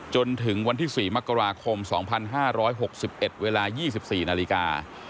จนถึงวันที่๔มกราคม๒๕๖๑เวลา๒๔นาฬิกา